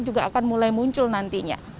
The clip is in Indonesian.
juga akan mulai muncul nantinya